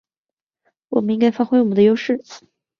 我们应该发挥我们的优势